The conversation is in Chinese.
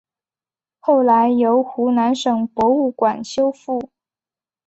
后来由湖南省博物馆修复。